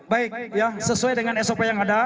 baik ya sesuai dengan sop yang ada